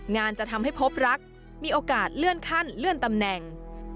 จะทำให้พบรักมีโอกาสเลื่อนขั้นเลื่อนตำแหน่ง